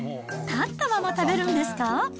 立ったまま食べるんですか？